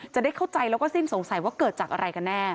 จะได้เข้าใจแล้วก็สิ้นสงสัยว่าเกิดจากอะไรกันแน่